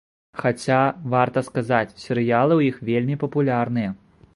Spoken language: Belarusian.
Хаця, варта сказаць, серыялы ў іх вельмі папулярныя.